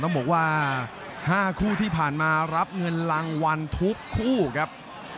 ต้องบอกว่า๕คู่ที่ผ่านมารับเงินรางวัลทุกคู่ครับ